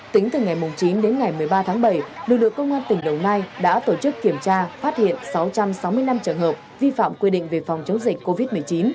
tính từ ngày chín đến ngày một mươi ba tháng bảy lực lượng công an tỉnh đồng nai đã tổ chức kiểm tra phát hiện sáu trăm sáu mươi năm trường hợp vi phạm quy định về phòng chống dịch covid một mươi chín